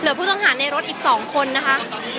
ผู้ต้องหาในรถอีก๒คนนะคะ